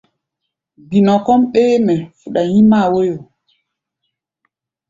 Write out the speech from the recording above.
Gbinɔ kɔ́ʼm ɓéémɛ fuɗa nyímáa wóyo.